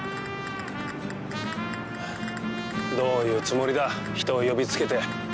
どういうつもりだ人を呼びつけて。